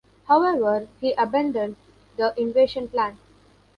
However, he abandoned the invasion plan.